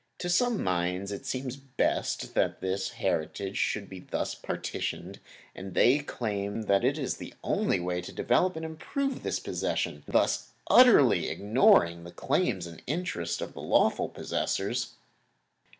To some minds it seems best that this heritage should be thus partitioned, and they claim that it is the only way to develop and improve this possession, thus utterly ignoring the claims and interests of the lawful possessors.